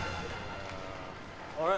あれ？